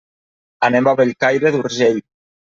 Anem a Bellcaire d'Urgell.